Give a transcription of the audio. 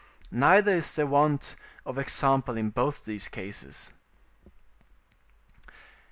Neither is there want of example in both these cases.